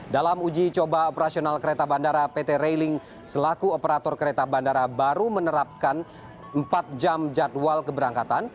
dalam uji coba operasional kereta bandara pt railing selaku operator kereta bandara baru menerapkan empat jam jadwal keberangkatan